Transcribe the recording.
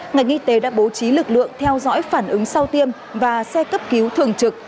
ngành y tế đã bố trí lực lượng theo dõi phản ứng sau tiêm và xe cấp cứu thường trực